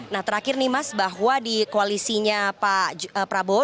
nah terakhir nih mas bahwa di koalisinya pak prabowo